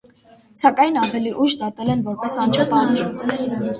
Սակայն ավելի ուշ դատել են որպես անչափահասի։